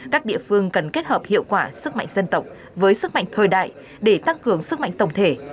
các địa phương cần kết hợp hiệu quả sức mạnh dân tộc với sức mạnh thời đại để tăng cường sức mạnh tổng thể